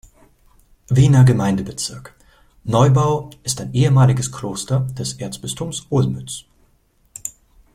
Wiener Gemeindebezirk Neubau ist ein ehemaliges Kloster des Erzbistums Olmütz.